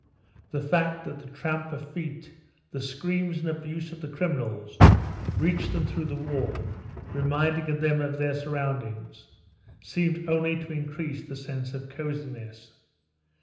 The fact that the tramp of feet, the screams and abuse of the criminals, reached them through the wall, reminding them of their surroundings, seemed only to increase the sense of coziness.